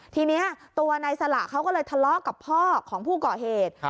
ทีนี้ตัวนายสละเขาก็เลยทะเลาะกับพ่อของผู้ก่อเหตุ